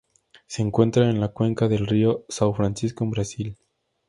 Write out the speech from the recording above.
Se encuentra en la cuenca del río São Francisco en Brasil.